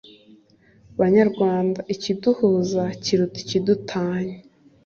banyarwanda ikiduhuza kiruta ikidutanya